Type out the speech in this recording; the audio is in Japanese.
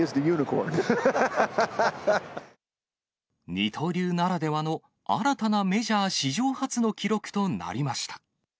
二刀流ならではの新たなメジャー史上初の記録となりました。